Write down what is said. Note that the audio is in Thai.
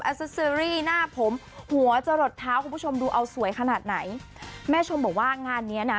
ซิสเตอรี่หน้าผมหัวจะหลดเท้าคุณผู้ชมดูเอาสวยขนาดไหนแม่ชมบอกว่างานเนี้ยน่ะ